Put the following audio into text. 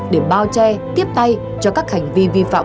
để bao che tiếp tay cho các hành vi vi phạm